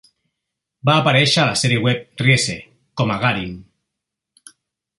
Va aparèixer a la sèrie web "Riese" com a Garin.